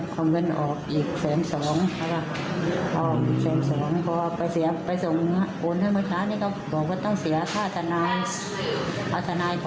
ความเงินออกอีก๑๒๐๐๐๐บาทออก๑๒๐๐๐๐บาทพอไปส่งโอนให้มันต่างนี่ก็บอกว่าต้องเสียค่าธนาย